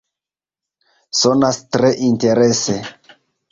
Sonas tre interese!